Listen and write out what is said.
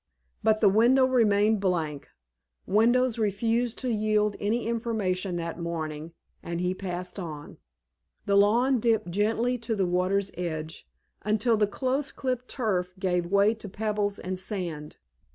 But the window remained blank—windows refused to yield any information that morning—and he passed on. The lawn dipped gently to the water's edge, until the close clipped turf gave way to pebbles and sand.